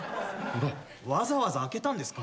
わざわざ開けたんですか？